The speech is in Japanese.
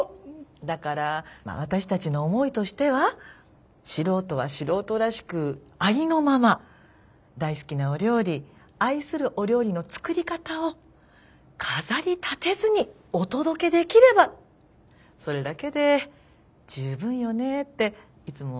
だから私たちの思いとしては素人は素人らしくありのまま大好きなお料理愛するお料理の作り方を飾りたてずにお届けできればそれだけで十分よねっていつも話してるのよねえ。